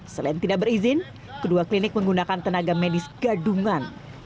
selain tidak berizin kedua klinik menggunakan tenaga medis gadungan